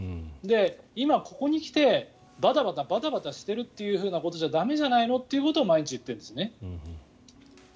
今、ここに来てバタバタしているということじゃ駄目じゃないのということを毎日、言っているんですね。